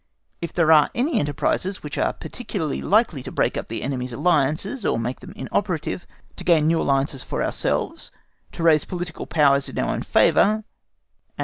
If there are any enterprises which are particularly likely to break up the enemy's alliances or make them inoperative, to gain new alliances for ourselves, to raise political powers in our own favour, &c.